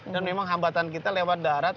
dan memang hambatan kita lewat darat